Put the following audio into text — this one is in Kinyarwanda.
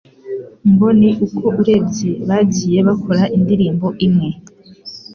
ngo ni uko urebye bagiye bakora indirimbo imwe